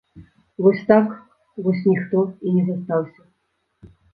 Вось так вось ніхто і не застаўся.